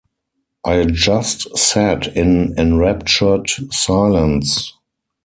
I just sat in enraptured silence.